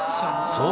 そう。